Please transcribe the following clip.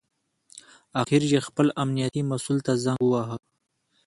اخر یې خپل امنیتي مسوول ته زنګ وواهه.